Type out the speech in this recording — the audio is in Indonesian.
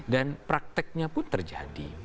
dan prakteknya pun terjadi